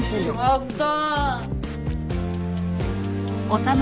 やった。